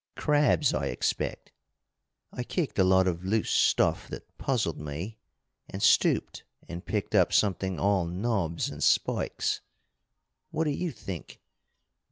Crabs, I expect. I kicked a lot of loose stuff that puzzled me, and stooped and picked up something all knobs and spikes. What do you think?